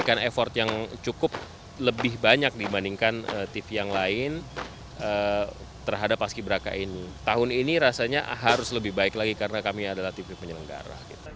kru yang akan menempatkan kursi di belakang layar